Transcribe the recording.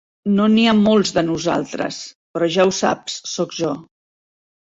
No n'hi ha molts de nosaltres, però ja ho saps, soc jo.